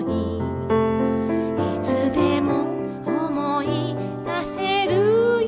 「いつでも思い出せるよ」